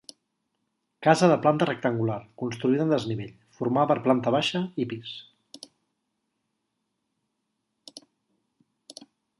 Casa de planta rectangular, construïda en desnivell, formada per planta baixa i pis.